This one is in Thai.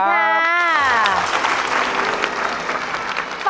สวัสดีครับ